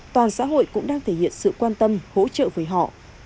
toàn xã hội cũng đang thể hiện sự quan tâm hỗ trợ với họ